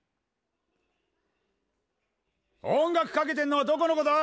音楽かけてんのはどこの子だ？